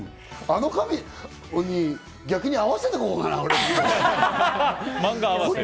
あの髪、逆に合わせていこうかな、俺。